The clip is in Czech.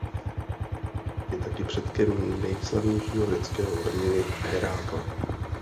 Je taky předkem nejslavnějšího řeckého hrdiny Hérakla.